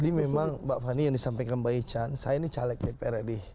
jadi memang mbak fani yang disampaikan mbak ican saya ini caleg de pereri